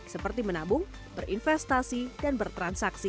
seperti menabung berinvestasi dan bertransaksi